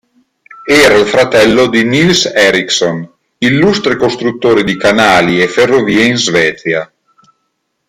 Era il fratello di Nils Ericsson, illustre costruttore di canali e ferrovie in Svezia.